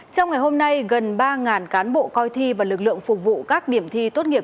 trong ngày hôm nay gần ba cán bộ coi thi và lực lượng phục vụ các điểm thi tốt nghiệp